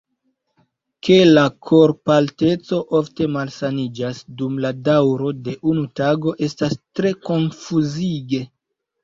Ke la korpalteco ofte malsamiĝas dum la daŭro de unu tago estas tre konfuzige.